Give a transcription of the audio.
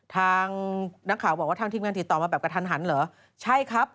ทางนักข่าวบอกว่าทางทีมงานติดต่อมาแบบกระทันหันเหรอใช่ครับ